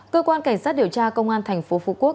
cơ quan cảnh sát điều tra công an tp phú quốc